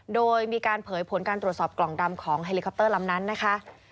โดยมีการเผยผลการตรวจสอบกล่องดำของเฮลิคอปเตอร์ลำนั้นนะคะ